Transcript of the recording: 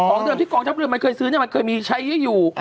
เดิมที่กองทัพเรือมันเคยซื้อเนี่ยมันเคยมีใช้อยู่